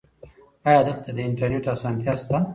ایا دلته د انټرنیټ اسانتیا شته؟